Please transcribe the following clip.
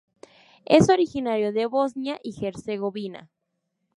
Es originaria de Bosnia y Herzegovina.